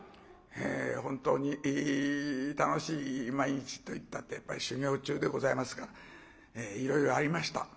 本当に楽しい毎日といったってやっぱり修業中でございますからいろいろありました。